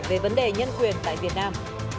về vấn đề nhân quyền tại việt nam